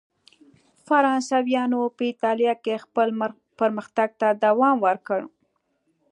فرانسویانو په اېټالیا کې خپل پرمختګ ته دوام ورکړ.